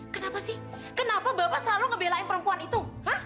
kenapa sih kenapa bapak selalu ngebelain perempuan itu